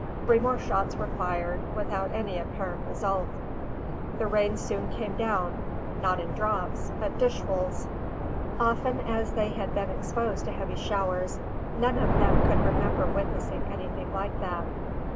Three more shots were fired, without any apparent result. The rain soon came down, not in drops, but dishfuls. Often as they had been exposed to heavy showers, none of them could remember witnessing anything like that.